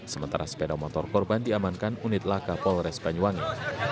sementara sepeda motor korban diamankan unit laka polres banyuwangi